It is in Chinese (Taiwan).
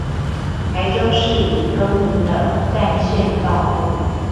台中市已更名的幹線道路